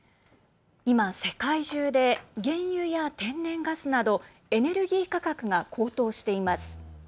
今、世界中で原油や天然ガスなどエネルギー価格が高騰しています。